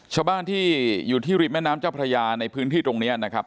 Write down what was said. ชาวบ้านที่อยู่ที่ริมแม่น้ำเจ้าพระยาในพื้นที่ตรงนี้นะครับ